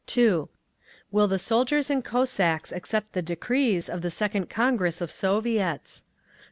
(2) Will the soldiers and Cossacks accept the decrees of the second Congress of Soviets?